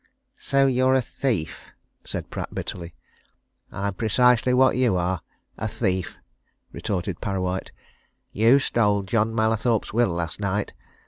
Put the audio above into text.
"So you're a thief?" said Pratt bitterly. "I'm precisely what you are a thief!" retorted Parrawhite. "You stole John Mallathorpe's will last night.